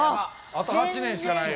あと８年しかないよ。